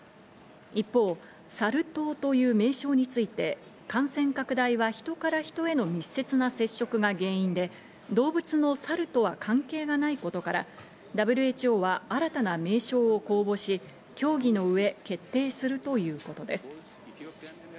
一方、サル痘という名称について感染拡大は人から人への密接な接触が原因で、動物のサルは関係がないことから、ＷＨＯは新たな名称を公募し、協議のうえ決定するということです。